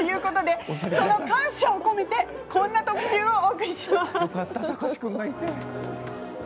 感謝を込めてこんな特集をお送りします。